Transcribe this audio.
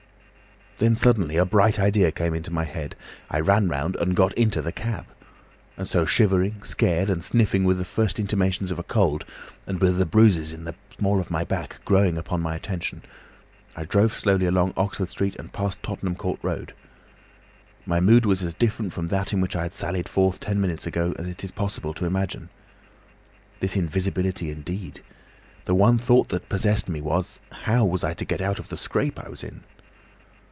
"Then suddenly a bright idea came into my head. I ran round and got into the cab. And so, shivering, scared, and sniffing with the first intimations of a cold, and with the bruises in the small of my back growing upon my attention, I drove slowly along Oxford Street and past Tottenham Court Road. My mood was as different from that in which I had sallied forth ten minutes ago as it is possible to imagine. This invisibility indeed! The one thought that possessed me was—how was I to get out of the scrape I was in.